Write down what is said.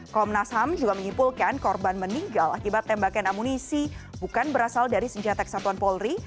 komnas ham juga menyimpulkan korban meninggal akibat tembakan amunisi bukan berasal dari senjata kesatuan polri